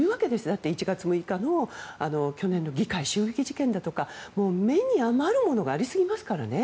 だって、去年の１月６日の議会襲撃事件だとか目に余るものがありすぎますからね。